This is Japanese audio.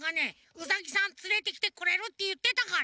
ウサギさんつれてきてくれるっていってたから！